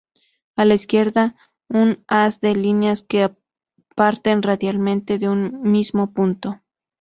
A la izquierda, un haz de líneas que parten radialmente de un mismo punto.